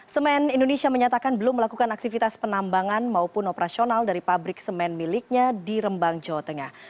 semen indonesia menyatakan belum melakukan aktivitas penambangan maupun operasional dari pabrik semen miliknya di rembang jawa tengah